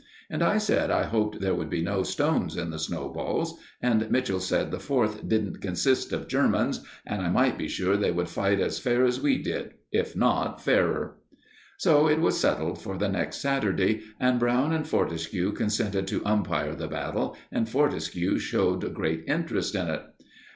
And I said I hoped there would be no stones in the snowballs, and Mitchell said the Fourth didn't consist of Germans, and I might be sure they would fight as fair as we did, if not fairer. So it was settled for the next Saturday, and Brown and Fortescue consented to umpire the battle, and Fortescue showed great interest in it.